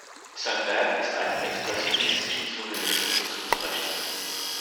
Sein Werk ist einem expressionistischen Surrealismus zuzurechnen.